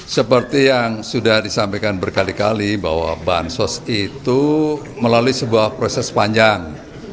seperti yang sudah disampaikan berkali kali bahwa bansos itu melalui sebuah proses panjang